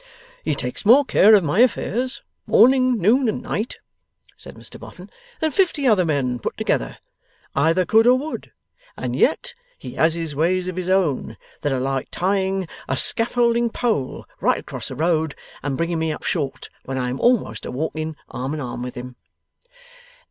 'He takes more care of my affairs, morning, noon, and night,' said Mr Boffin, 'than fifty other men put together either could or would; and yet he has ways of his own that are like tying a scaffolding pole right across the road, and bringing me up short when I am almost a walking arm in arm with him.